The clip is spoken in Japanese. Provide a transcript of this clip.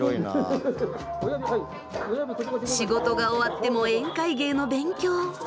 仕事が終わっても宴会芸の勉強。